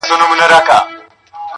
په ظاهره وي په سپینو جامو ښکلی -